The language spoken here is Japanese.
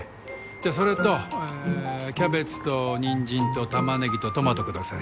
じゃあそれとキャベツとニンジンとタマネギとトマトください。